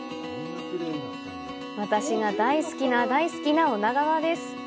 私が大好きな大好きな女川です！